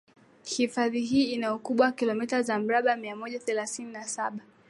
Hifadhi hii ina ukubwa wa kilometa za mraba mia moja thelathini na saba